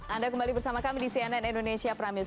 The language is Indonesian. anda kembali bersama kami di cnn indonesia prime news